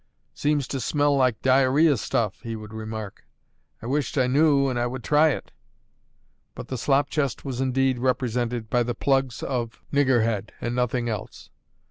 "Seems to smell like diarrhoea stuff," he would remark. "I wish't I knew, and I would try it." But the slop chest was indeed represented by the plugs of niggerhead, and nothing else.